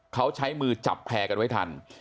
เขาใช้มือจับแพร่กันไว้ทัน